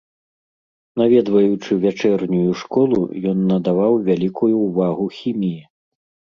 Наведваючы вячэрнюю школу, ён надаваў вялікую ўвагу хіміі.